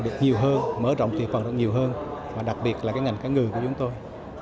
được nhiều hơn mở rộng thị phần được nhiều hơn và đặc biệt là cái ngành cá ngừ của chúng tôi